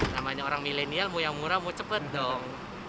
namanya orang milenial mau yang murah mau cepat dong